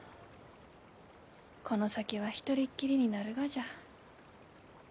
この先は一人っきりになるがじゃ。